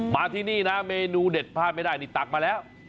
มาที่นี่นะเมนูเด็ดพลาดไม่ได้นี่ตักมาแล้ว